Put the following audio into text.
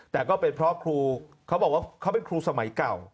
แต่ก็เป็นเพราะครูเขาบอกว่าเขาเป็นครูสมัยเก่า